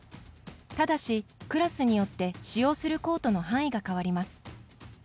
ただしクラスによって使用するコートの範囲が変わります。